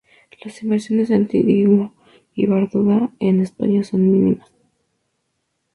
Las inversiones de Antigua y Barbuda en España son mínimas.